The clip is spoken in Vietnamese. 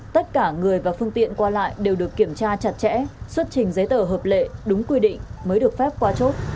tất cả người và phương tiện qua lại đều được kiểm tra chặt chẽ xuất trình giấy tờ hợp lệ đúng quy định mới được phép qua chốt